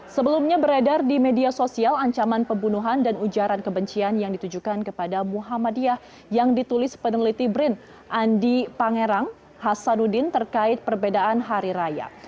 sebelumnya beredar di media sosial ancaman pembunuhan dan ujaran kebencian yang ditujukan kepada muhammadiyah yang ditulis peneliti brin andi pangerang hasanuddin terkait perbedaan hari raya